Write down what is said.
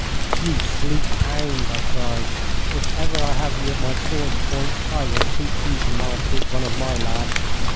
'You sleek hound!' I cried. 'If ever I have you at my sword's point, I will teach you to maltreat one of my lads.